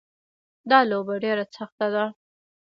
دا لوبه ډېره سخته ده